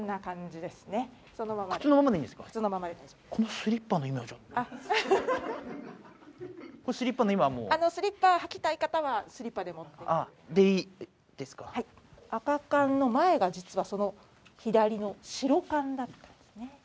スリッパの意味はもうスリッパ履きたい方はスリッパでもっていうでいいですか赤缶の前が実はその左の白缶だったんですね